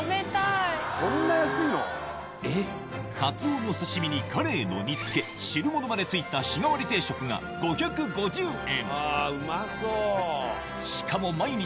カツオの刺し身にカレイの煮付け汁物まで付いた日替わり定食が５５０円